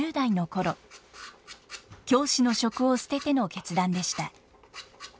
教師の職を捨てての決断でした。